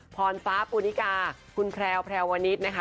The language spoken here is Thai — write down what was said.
พรฟ้าปูนิกาคุณแพรวแพรวนิดนะคะ